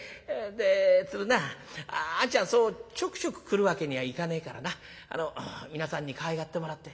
で鶴なあんちゃんそうちょくちょく来るわけにはいかねえからな皆さんにかわいがってもらって。